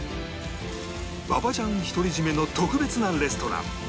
馬場ちゃん独り占めの特別なレストラン